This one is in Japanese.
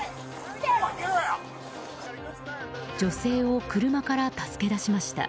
女性を車から助け出しました。